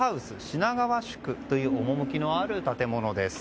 品川宿という趣のある建物です。